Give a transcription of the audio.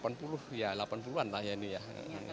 ini akan bapak akan apa sih